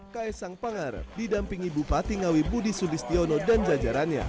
kaesang pangar didampingi bupati ngawi budi sudistiono dan jajarannya